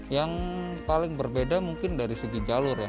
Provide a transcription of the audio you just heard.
yang paling berbeda mungkin dari segi jalur ya